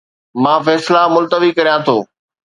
مان فيصلا ملتوي ڪريان ٿو